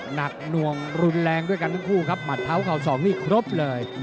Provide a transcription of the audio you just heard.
หนักหน่วงรุนแรงด้วยกันทั้งคู่ครับหมัดเท้าเข่าสองนี่ครบเลย